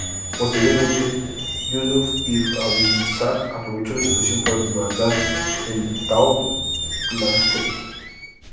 Posteriormente, Yusuf ibn Abi'l-Saj aprovechó la situación para devastar el Tao-Klarjeti.